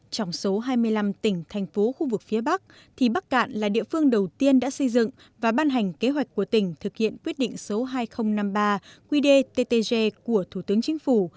trong số hai mươi năm tỉnh thành phố khu vực phía bắc thì bắc cạn là địa phương đầu tiên đã xây dựng và ban hành kế hoạch của tỉnh thực hiện quyết định số hai nghìn năm mươi ba qdttg của thủ tướng chính phủ